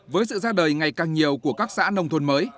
với sự ra đời ngày càng nhiều của các xã nông thôn mới